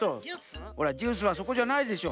ほらジュースはそこじゃないでしょ。